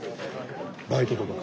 バイトとか？